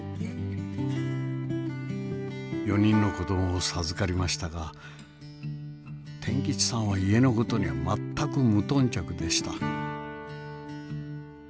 ４人の子供を授かりましたが天吉さんは家の事には全く無頓着でした。